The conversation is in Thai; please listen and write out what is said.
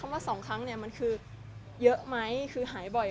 ว่าสองครั้งเนี่ยมันคือเยอะไหมคือหายบ่อย